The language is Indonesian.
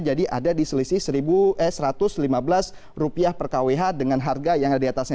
jadi ada di selisih satu ratus lima belas rupiah per kwh dengan harga yang ada di atasnya